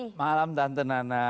selamat malam tante nana